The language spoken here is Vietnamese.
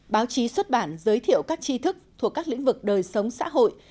báo chí xuất bản giới thiệu các chi thức thuộc các lĩnh vực đời sống xã hội